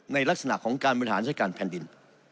ในลักษณะการบุญหาราชการแผ่นดิน